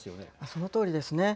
そのとおりですね。